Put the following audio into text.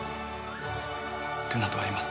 ルナと会います。